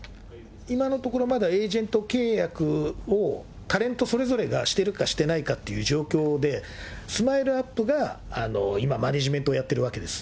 今のところ、まだエージェント契約を、タレントそれぞれがしてるか、してないかっていう状況で、ＳＭＩＬＥーＵＰ．が今、マネジメントをやっているわけです。